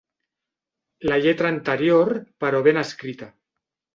La lletra anterior però ben escrita.